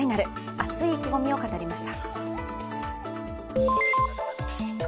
熱い意気込みを語りました。